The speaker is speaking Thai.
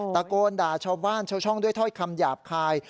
ตะโกนด่าชาวบ้านชาวช่องด้วยถ้อยคำหยาบคาย